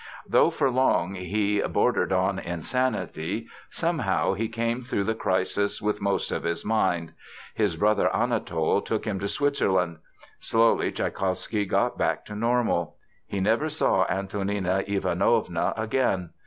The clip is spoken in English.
Though for long he "bordered on insanity," somehow he came through the crisis with most of his mind. His brother Anatol took him to Switzerland. Slowly Tschaikowsky got back to normal. He never saw Antonina Ivanovna again.